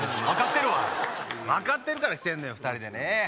分かってるわ分かってるから来てんねや二人でね